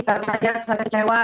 karena dia sangat kecewa